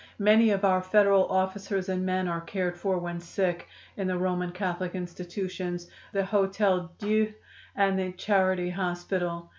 Many of our Federal officers and men are cared for when sick in the Roman Catholic institutions, the Hotel Dieu and the Charity Hospital.